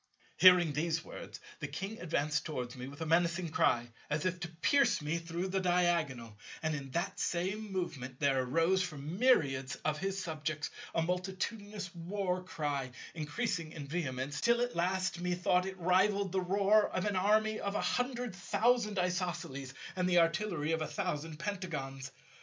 Hearing these words the King advanced towards me with a menacing cry as if to pierce me through the diagonal; and in that same movement there arose from myriads of his subjects a multitudinous war cry, increasing in vehemence till at last methought it rivalled the roar of an army of a hundred thousand Isosceles, and the artillery of a thousand Pentagons.